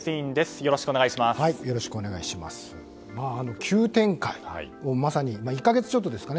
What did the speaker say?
よろしくお願いします。